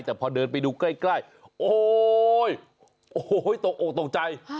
แต่พอเดินไปดูใกล้โอ๊ยโอ๊ยตกตกใจ